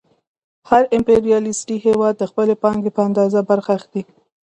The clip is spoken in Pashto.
هر امپریالیستي هېواد د خپلې پانګې په اندازه برخه اخلي